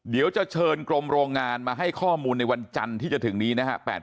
เดี๋ยวจะเชิญกรมโรงงานมาให้ข้อมูลในวันจันทร์ที่จะถึงนี้นะครับ